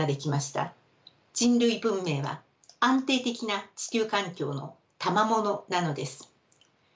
人類文明は安定的な地球環境のたまものなのです。